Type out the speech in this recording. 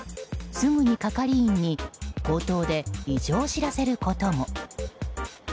すぐに、係員に口頭で異常を知らせることも。